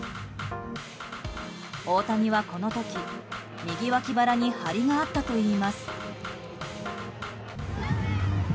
大谷はこの時、右脇腹に張りがあったといいます。